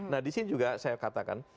nah disini juga saya katakan